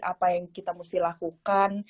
apa yang kita mesti lakukan